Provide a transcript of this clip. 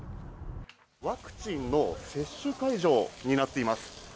ワクチンの接種会場になっています。